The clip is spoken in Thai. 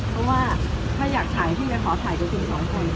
เพราะว่าถ้าอยากถ่ายพี่จะขอถ่ายกับคุณสองคน